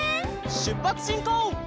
しゅっぱつしんこう！